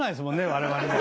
我々も。